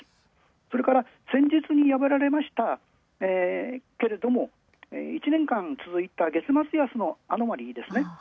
それから先日にやめられましたけれども、１年間続いた月末安のアノマリーですね。